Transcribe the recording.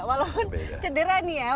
walaupun cedera nih ya